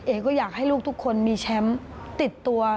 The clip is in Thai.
ก็อยากให้ลูกทุกคนมีแชมป์ติดตัว